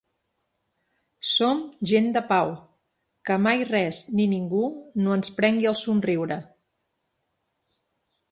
Som gent de pau: que mai res ni ningú no ens prengui el somriure.